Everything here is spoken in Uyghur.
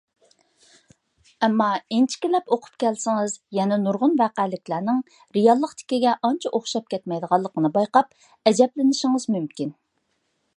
ئەمما ئىنچىكىلەپ ئوقۇپ كەلسىڭىز يەنە نۇرغۇن ۋەقەلىكلەرنىڭ رېئاللىقتىكىگە ئانچە ئوخشاپ كەتمەيدىغانلىقىنى بايقاپ ئەجەبلىنىشىڭىز مۇمكىن.